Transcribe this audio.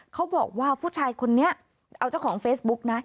เขาบอกว่าผู้ชายคนนี้เอาเจ้าของเฟซบุ๊กนะ